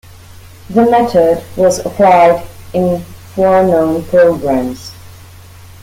The method was applied in four known programs.